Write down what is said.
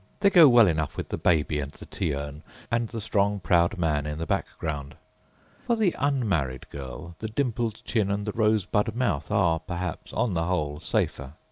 They go well enough with the baby and the tea urn, and the strong, proud man in the background. For the unmarried girl the dimpled chin and the rosebud mouth are, perhaps, on the whole safer.